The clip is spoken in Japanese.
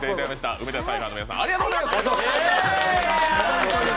梅田サイファーの皆さん、ありがとうございました。